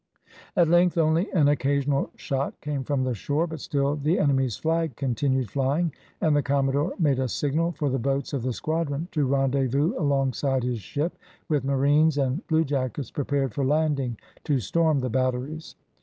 At length, only an occasional shot came from the shore, but still the enemy's flag continued flying, and the commodore made a signal for the boats of the squadron to rendezvous alongside his ship, with marines and bluejackets prepared for landing, to storm the batteries.